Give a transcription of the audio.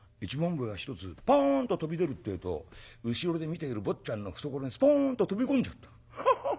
笛が１つポンと飛び出るってえと後ろで見ている坊ちゃんの懐にスポンと飛び込んじゃった。ハハハ！